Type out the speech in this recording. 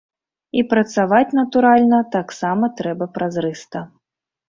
І працаваць, натуральна, таксама трэба празрыста.